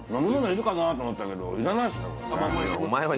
いるかなと思ったけどいらないですよね